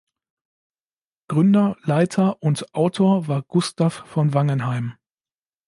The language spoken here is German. Gründer, Leiter und Autor war Gustav von Wangenheim.